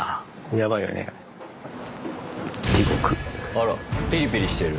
あらピリピリしてる。